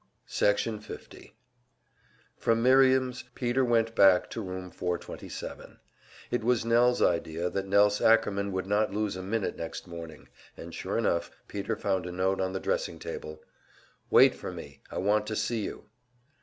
Section 50 From Miriam's, Peter went back to Room 427. It was Nell's idea that Nelse Ackerman would not lose a minute next morning; and sure enough, Peter found a note on the dressing table: "Wait for me, I want to see you."